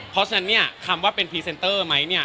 เพราะฉะนั้นคำว่าเป็นพรีเซนเตอร์ไหม